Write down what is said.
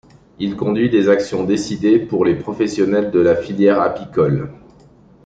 Il conduit des actions décidées par les professionnels de la filière apicole.